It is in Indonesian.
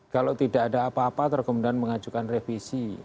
kalau tidak ada apa apa tergantung mengajukan revisi